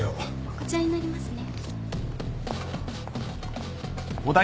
こちらになりますね。